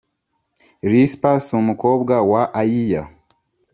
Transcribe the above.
Risipa s umukobwa wa Ayiya